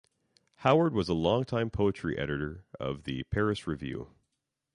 Howard was a long-time poetry editor of "The Paris Review".